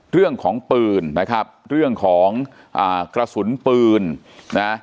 เรื่องของปืนนะครับเรื่องของอ่ากระสุนปืนนะ